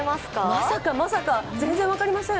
まさかまさか、全然分かりません。